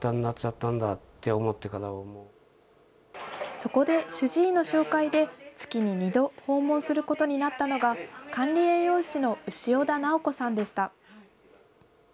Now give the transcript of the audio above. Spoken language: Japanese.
そこで主治医の紹介で、月に２度、訪問することになったのが、管理栄養士の潮田直子さんでした。